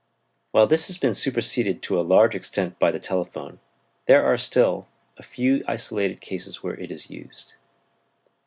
While this has been superseded to a large extent by the telephone, there are still a few isolated cases where it is used.